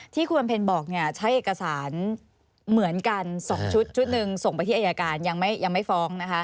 ที่คุณมันเพลินบอกใช้เอกสารเหมือนกัน๒ชุด๑ส่งไปที่อัยการยังไม่ฟ้อง